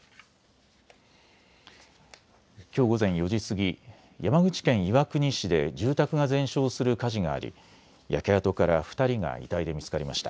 きょう午前４時過ぎ、山口県岩国市で住宅が全焼する火事があり、焼け跡から２人が遺体で見つかりました。